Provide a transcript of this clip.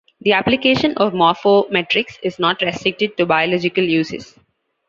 The application of morphometrics is not restricted to biological uses.